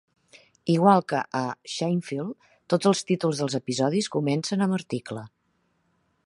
Igual que a "Seinfeld", tots els títols dels episodis comencen amb article.